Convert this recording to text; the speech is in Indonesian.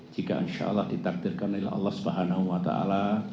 jika insya allah ditaktirkan oleh allah